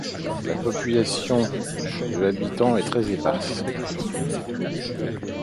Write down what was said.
La population de habitants est très éparse.